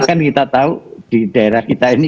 kan kita tahu di daerah kita ini